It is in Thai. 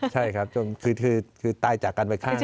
ใช่ครับคือตายจากการไปข้างเลย